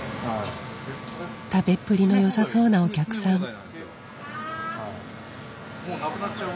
食べっぷりのよさそうなお客さん。